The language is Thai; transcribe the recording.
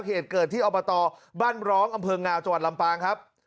เหตุเกิดที่อบตบ้านร้องอำเภองาวจังหวัดลำปางครับ